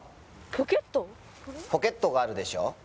ポケットがあるでしょ？